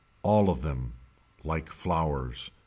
All of them. Like flowers.